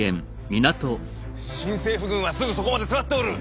新政府軍はすぐそこまで迫っておる！